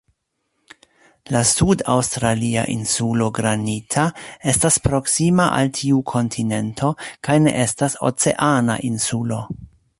La sud-aŭstralia Insulo Granita estas proksima al tiu kontinento kaj ne estas "oceana" insulo.